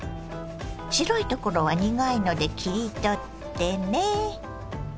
白いところは苦いので切り取ってね。